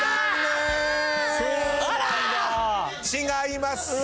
違います。